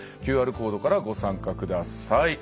ＱＲコードからご参加ください。